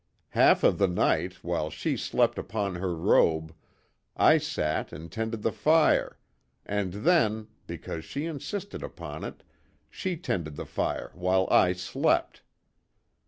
Half of the night, while she slept upon her robe, I sat and tended the fire, and then, because she insisted upon it, she tended the fire while I slept."